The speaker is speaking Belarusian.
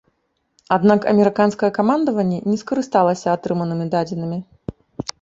Аднак амерыканскае камандаванне не скарысталася атрыманымі дадзенымі.